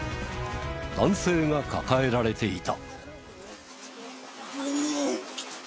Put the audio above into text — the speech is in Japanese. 男性が抱えられていた。